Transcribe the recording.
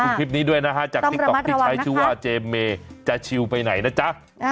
คลิปนี้ด้วยนะฮะจากติ๊กต๊อกที่ใช้ชื่อว่าเจมเมย์จะชิลไปไหนนะจ๊ะ